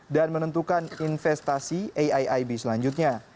dan menentukan investasi aiib selanjutnya